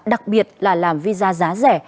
đặc biệt là làm visa giá rẻ